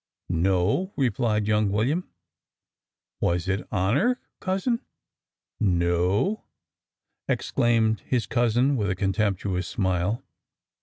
"No," replied young William. "Was it honour, cousin?" "No," exclaimed his cousin with a contemptuous smile.